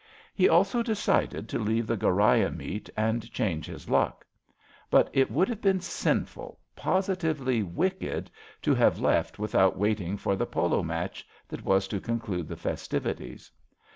He also decided to leave the Ghoriah meet and change his luck. But it would have been sinful — ^positively wicked — ^to have left without waiting for the polo match that was to conclude the festivities.